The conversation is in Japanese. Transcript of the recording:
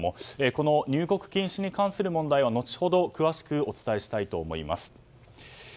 この入国禁止に関する問題は後ほど詳しくお伝えしたいと思います。